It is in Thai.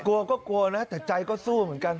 กลัวก็กลัวนะแต่ใจก็สู้เหมือนกัน